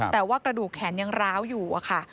แต่ว่ากระดูกแขนยังร้าวอยู่อะค่ะ